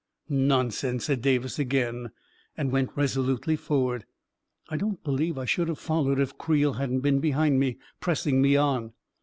" Nonsense !" said Davis again, and went reso lutely forward. I don't believe I should have followed, if Creel hadn't been behind me, pressing me on.